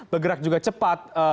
bergerak juga cepat